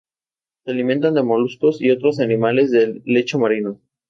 Se alimentan de moluscos y otros animales del lecho marino.